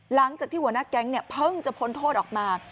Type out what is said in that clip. หลังจากที่หัวหน้าแก๊งเนี่ยเพิ่งจะพ้นโทษออกมา